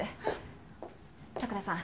佐倉さん